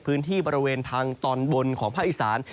พื้นที่บริเวณทางตอนบนของภาคอีสาน